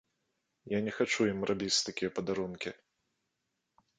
Я не хачу ім рабіць такія падарункі.